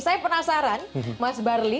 saya penasaran mas barli